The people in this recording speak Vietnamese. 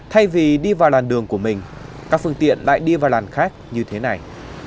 thay vì đi vào làn đường của mình các phương tiện lại đi vào làn khác như thế này